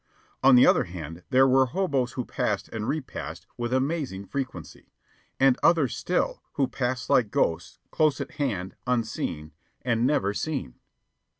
On the other hand, there were hoboes who passed and repassed with amazing frequency, and others, still, who passed like ghosts, close at hand, unseen, and never seen.